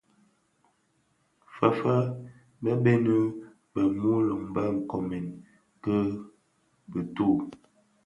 Fëfë, bëbëni bè muloň bë koomèn ki bituu.